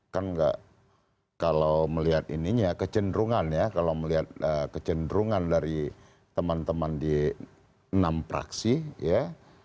kan nggak kalau melihat ininya kecenderungan ya kalau melihat kecenderungan dari teman teman di enam praksi ya